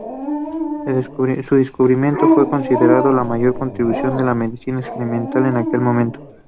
Su descubrimiento fue considerado "la mayor contribución a la medicina experimental" en aquel momento.